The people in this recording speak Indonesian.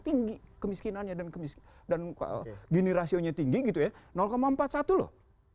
tinggi kemiskinannya dan generasionya tinggi gitu ya empat puluh satu loh